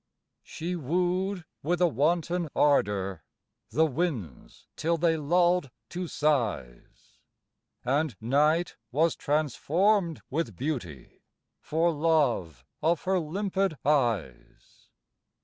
She wooed with a wanton ardour The winds till they lulled to sighs, And night was transformed with beauty, For love of her limpid eyes.